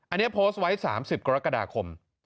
อันนี้โพสต์ไว้๓๐กรกฎาคม